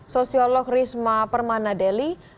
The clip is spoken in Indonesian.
sosiolog risma permana deli